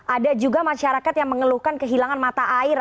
ada juga masyarakat yang mengeluhkan kehilangan mata air